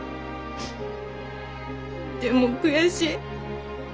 でも悔しい。